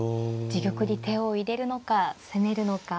自玉に手を入れるのか攻めるのか。